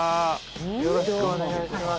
よろしくお願いします